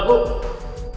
pfarogen maleh jadi miskin ya